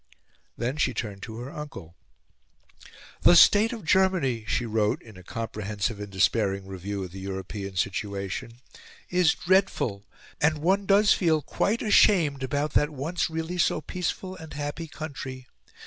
Then she turned to her uncle. "The state of Germany," she wrote in a comprehensive and despairing review of the European situation, "is dreadful, and one does feel quite ashamed about that once really so peaceful and happy country.